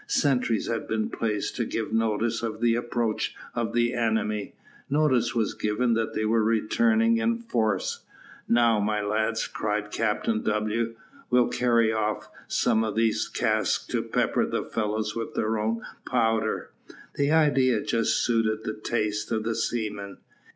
Sentries had been placed to give notice of the approach of the enemy. Notice was given that they were returning in force. "Now, my lads," cried Captain W , "we'll carry off some of these casks to pepper the fellows with their own powder." The idea just suited the taste of the seamen.